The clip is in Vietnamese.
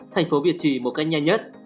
thành phố việt trì một cách nhanh nhất